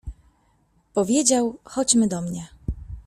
Powiedział: — Chodźmy do mnie.